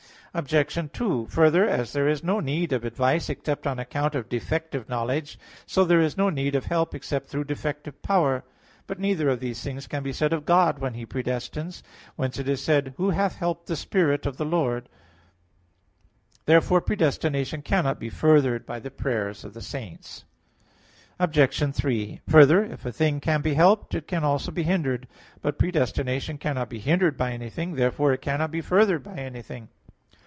Obj. 2: Further, as there is no need of advice except on account of defective knowledge, so there is no need of help except through defective power. But neither of these things can be said of God when He predestines. Whence it is said: "Who hath helped the Spirit of the Lord? [*Vulg.: 'Who hath known the mind of the Lord?'] Or who hath been His counsellor?" (Rom. 11:34). Therefore predestination cannot be furthered by the prayers of the saints. Obj. 3: Further, if a thing can be helped, it can also be hindered. But predestination cannot be hindered by anything. Therefore it cannot be furthered by anything.